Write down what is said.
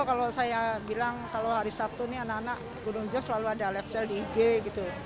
kalau saya bilang kalau hari sabtu ini anak anak gunung jos selalu ada lapsel di ig gitu